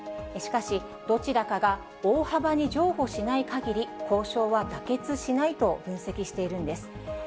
しかし、どちらかが大幅に譲歩しないかぎり、交渉は妥結しないと分析しているんです。